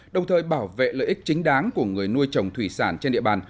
đồng thời bảo vệ lợi ích chính đáng của người nuôi trồng thủy sản trên địa bàn